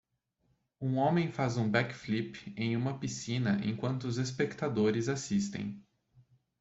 Um homem faz um back flip em uma piscina enquanto os espectadores assistem.